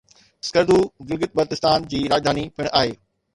اسڪردو گلگت بلتستان جي راڄڌاني پڻ آهي.